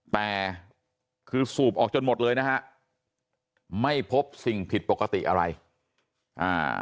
แต่คือสูบออกจนหมดเลยนะฮะไม่พบสิ่งผิดปกติอะไรอ่า